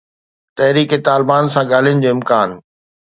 تحريڪ طالبان سان ڳالهين جو امڪان